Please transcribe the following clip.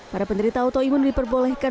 para penderita autoimun diperbolehkan